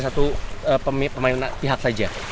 satu pemain pihak saja